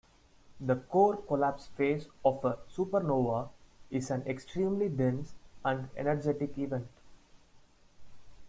The core collapse phase of a supernova is an extremely dense and energetic event.